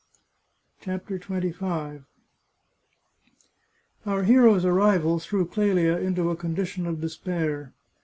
CHAPTER XXV Our hero's arrival threw Clelia into a condition of de spair.